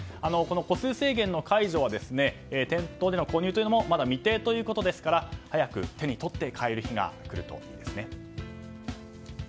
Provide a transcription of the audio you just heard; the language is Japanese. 個数制限の解除は店頭での購入というのもまだ未定ということですから早く手に取って買える日がくるといいですね。